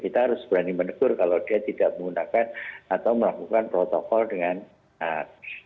kita harus berani menegur kalau dia tidak menggunakan atau melakukan protokol dengan benar